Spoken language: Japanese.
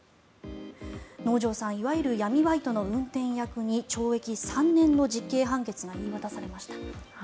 能條さんいわゆる闇バイトの運転役に懲役３年の実刑判決が言い渡されました。